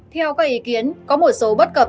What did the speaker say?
theo các ý kiến có một số bất cập